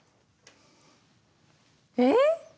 えっ？